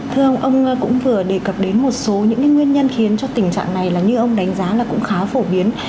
thưa ông ông cũng vừa đề cập đến một số những nguyên nhân khiến cho tình trạng này là như ông đánh giá là cũng khá phổ biến